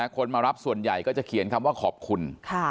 คนมารับส่วนใหญ่ก็จะเขียนคำว่าขอบคุณ